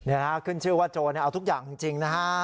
นี่นะฮะขึ้นชื่อว่าโจรเอาทุกอย่างจริงนะฮะ